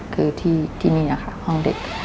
คือที่นี่ค่ะห้องเด็ก